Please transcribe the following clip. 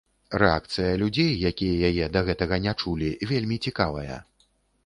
Рэакцыя людзей, якія яе да гэтага не чулі, вельмі цікавая.